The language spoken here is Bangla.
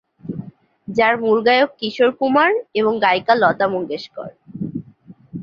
যার মূল গায়ক কিশোর কুমার এবং গায়িকা লতা মঙ্গেশকর।